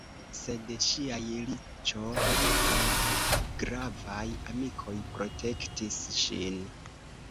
Sed ŝiaj riĉo kaj gravaj amikoj protektis ŝin.